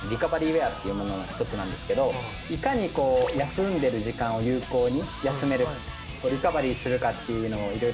ウェアっていうものの一つなんですけどいかにこう休んでる時間を有効に休めるリカバリーするかっていうのを色々調べて。